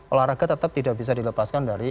olahraga tetap tidak bisa dilepaskan dari